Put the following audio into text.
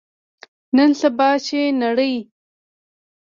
نن سبا، چې نړۍ